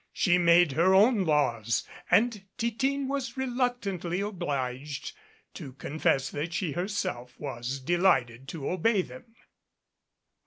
She made her own laws and Titine was reluctantly obliged to confess that she her self was delighted to obey them.